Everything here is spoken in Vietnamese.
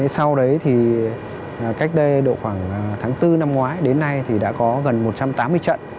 sau đấy thì cách đây độ khoảng tháng bốn năm ngoái đến nay thì đã có gần một trăm tám mươi trận